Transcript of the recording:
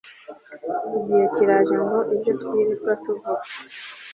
igihe kiraje ngo ibyo twirirwa tuvuga